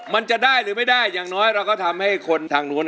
มันจะได้หรือไม่ได้อย่างน้อยเราก็ทำให้คนทางนู้น